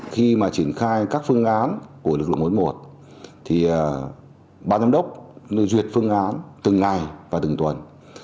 khi mà triển khai các phương án của lực lượng một trăm bốn mươi một thì bà giám đốc duyệt phương án từng ngày và từng tuần